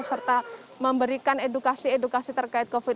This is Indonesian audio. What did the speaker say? serta memberikan edukasi edukasi terkait covid sembilan belas